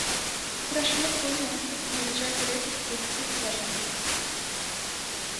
খুড়াসাহেব কহিলেন, আমি বিজয়গড়ের বৃদ্ধ খুড়াসাহেব।